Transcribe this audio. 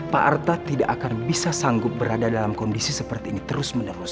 pak arta tidak akan bisa sanggup berada dalam kondisi seperti ini terus menerus